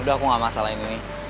udah aku gak masalahin ini